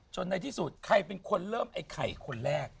ในที่สุดใครเป็นคนเริ่มไอ้ไข่คนแรก